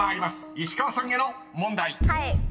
石川さんへの問題］